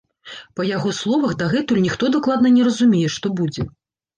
Па яго словах, дагэтуль ніхто дакладна не разумее, што будзе.